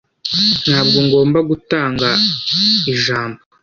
Ntabwo ngomba gutanga ijambo